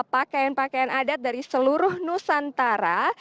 pakaian pakaian adat dari seluruh nusantara